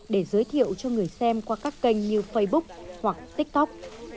để giới thiệu cho người xem qua các kênh như facebook hoặc tik tok